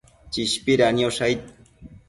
Chishpida niosh aid